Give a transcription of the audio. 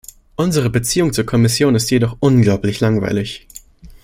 Unsere Beziehung zur Kommission ist jedoch unglaublich langweilig.